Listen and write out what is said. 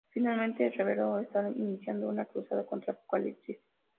Finalmente, el reveló estar iniciando una cruzada contra Apocalipsis.